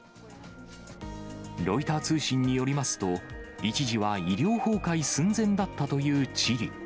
ロイター通信によりますと、一時は医療崩壊寸前だったというチリ。